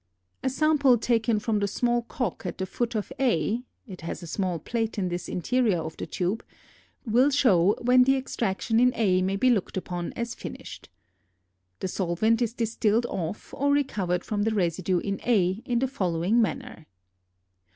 A sample taken from the small cock at the foot of A (it has a small plate in the interior of the tube) will show when the extraction in A may be looked upon as finished. The solvent is distilled off or recovered from the residue in A in the following manner.